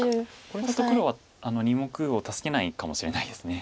これだと黒はあの２目を助けないかもしれないです。